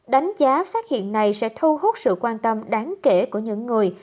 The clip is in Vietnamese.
đánh giá phát hiện này sẽ thu hút sự quan tâm đáng kể của những người